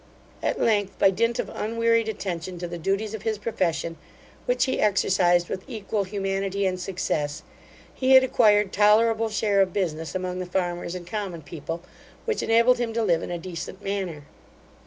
At length, by dint of unwearied attention to the duties of his profession, which he exercised with equal humanity and success, he had acquired tolerable share of business among the farmers and common people, which enabled him to live in a decent manner.